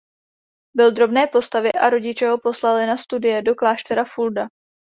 Byl drobné postavy a rodiče ho poslali na studie do kláštera Fulda.